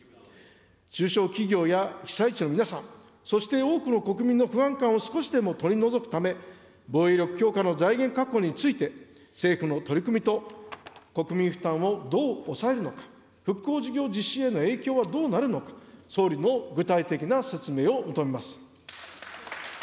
中小企業や被災地の皆さん、そして多くの国民の不安感を少しでも取り除くため、防衛力強化の財源確保について、政府の取り組みと国民負担をどう抑えるのか、復興事業実施への影響はどうなるのか、総理の具体的な説明を求めます。